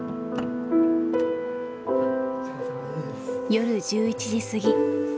夜１１時過ぎ。